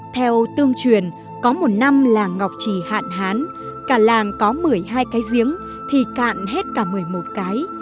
theo tương truyền có một năm làng ngọc trì hạn hán cả làng có một mươi hai cái giếng thì cạn hết cả một mươi một cái